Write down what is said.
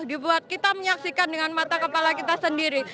kita bisa buat kita menyaksikan dengan mata kepala kita sendiri